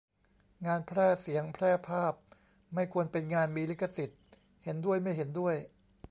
งานแพร่เสียงแพร่ภาพไม่ควรเป็นงานมีลิขสิทธิ์ ? เห็นด้วย ไม่เห็นด้วย